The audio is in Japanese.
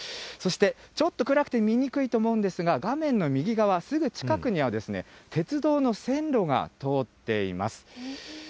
そして、ちょっと暗くて見にくいと思うんですが、画面の右側、すぐ近くには、鉄道の線路が通っています。